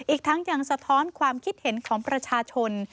อีกทั้งยังสะท้อนความคิดเห็นของประชาชน